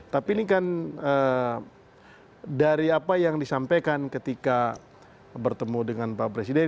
tapi ini kan dari apa yang disampaikan ketika bertemu dengan pak presiden